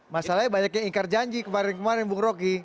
masalahnya banyak yang ingkar janji kemarin kemarin bu roky